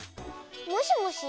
もしもし。